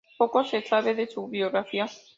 Poco se sabe de su biografía.